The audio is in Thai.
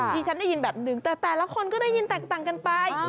ที่ฉันได้ยินแบบหนึ่งแต่แต่ละคนก็ได้ยินแตกต่างกันไป